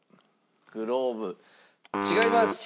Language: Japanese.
グローブ違います。